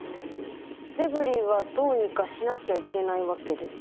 デブリはどうにかしなきゃいけないわけですよね。